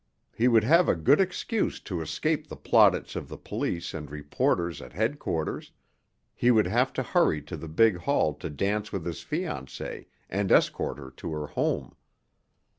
He would have a good excuse to escape the plaudits of the police and reporters at headquarters—he would have to hurry to the big hall to dance with his fiancée and escort her to her home.